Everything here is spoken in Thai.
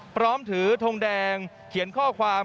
พร้อมถือทงแดงเขียนข้อความ